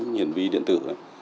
nhìn vi điện tử